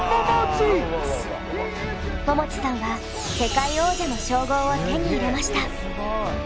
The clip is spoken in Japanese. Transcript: ももちさんは世界王者の称号を手に入れました。